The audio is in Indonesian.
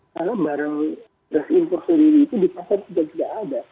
karena barang beras impor sendiri itu di pasar juga tidak ada